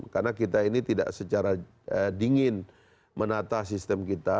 karena kita ini tidak secara dingin menata sistem kita